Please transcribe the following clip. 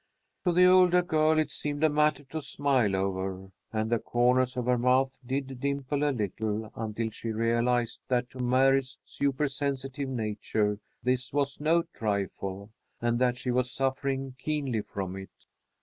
To the older girl it seemed a matter to smile over, and the corners of her mouth did dimple a little, until she realized that to Mary's supersensitive nature this was no trifle, and that she was suffering keenly from it.